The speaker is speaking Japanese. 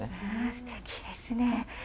すてきですね。